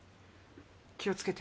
気をつけて。